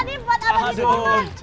siap foto ya nadi